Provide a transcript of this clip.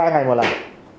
ba ngày một lần